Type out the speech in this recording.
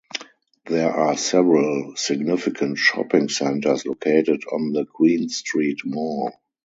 There are several significant shopping centres located on the Queen Street Mall.